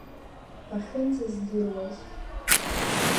Бахьынӡаздыруаз…